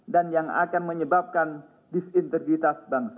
dan yang akan menyebabkan disintegritas bangsa